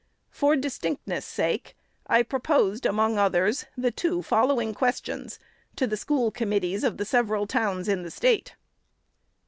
For distinctness' sake, I proposed, among others, the two following questions to the school committees of the several towns in the State.